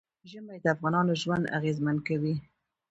ژمی د افغانانو ژوند اغېزمن کوي.